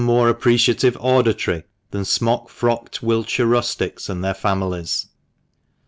153 more appreciative auditory than smock frocked Wiltshire rustics and their families.